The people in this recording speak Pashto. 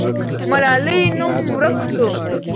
ملالۍ نوم ورک سو.